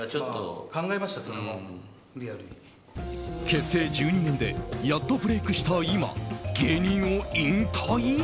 結成１２年でやっとブレークした今芸人を引退？